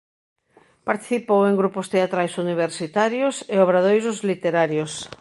Participou en grupos teatrais universitarios e obradoiros literarios.